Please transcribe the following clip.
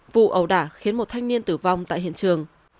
vụ ẩu đả khiến một thanh niên tử vong tại hiện trường